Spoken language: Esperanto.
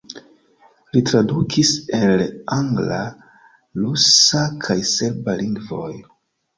Li tradukis el angla, rusa kaj serba lingvoj.